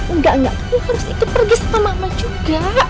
enggak enggak aku harus ikut pergi sama mama juga